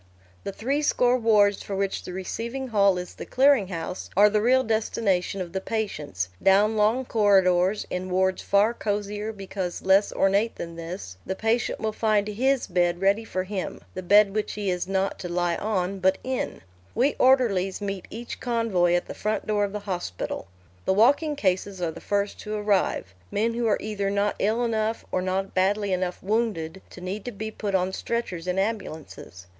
The three score wards for which the receiving hall is the clearing house are the real destination of the patients; down long corridors, in wards far cosier because less ornate than this, the patient will find "his" bed ready for him, the bed which he is not to lie on but in. We orderlies meet each convoy at the front door of the hospital. The walking cases are the first to arrive men who are either not ill enough, or not badly enough wounded, to need to be put on stretchers in ambulances.